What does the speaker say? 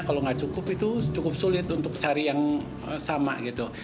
kalau nggak cukup itu cukup sulit untuk cari yang sama gitu